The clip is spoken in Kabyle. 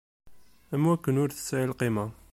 Am wakken ur tesɛi lqima.